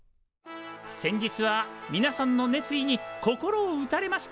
「先日はみなさんの熱意に心を打たれました。